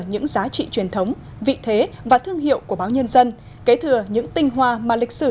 những giá trị truyền thống vị thế và thương hiệu của báo nhân dân kế thừa những tinh hoa mà lịch sử